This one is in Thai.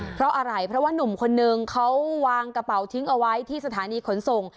เพราะอะไรเพราะว่านุ่มคนนึงเขาวางกระเป๋าทิ้งเอาไว้ที่สถานีขนส่ง